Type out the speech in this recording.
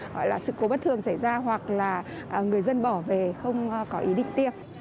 gọi là sự cố bất thường xảy ra hoặc là người dân bỏ về không có ý định tiêm